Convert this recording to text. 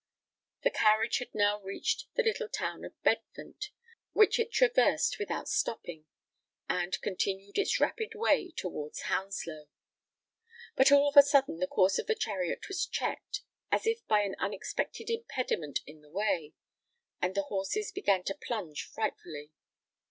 The carriage had now reached the little town of Bedfont, which it traversed without stopping; and continued its rapid way towards Hounslow. But all of a sudden the course of the chariot was checked—as if by an unexpected impediment in the way; and the horses began to plunge frightfully.